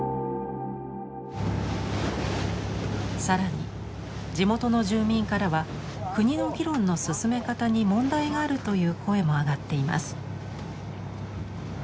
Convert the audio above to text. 更に地元の住民からは国の議論の進め方に問題があるという声も上がっています。